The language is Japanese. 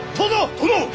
殿！